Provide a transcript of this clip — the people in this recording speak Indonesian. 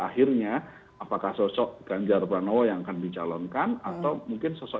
akhirnya apakah sosok ganjar pranowo yang akan dicalonkan atau mungkin sosok